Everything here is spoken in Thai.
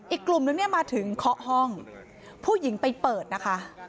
อีกกลุ่มนึงเนี่ยมาถึงเคาะห้องผู้หญิงไปเปิดนะคะ